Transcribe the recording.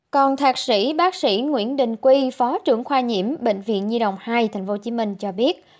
còn thạc sĩ bác sĩ nguyễn đình quy phó trưởng khoa nhiễm bệnh viện nhi đồng hai tp hcm cho biết